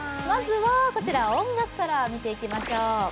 まずは音楽から見ていきましょう。